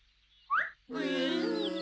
うん。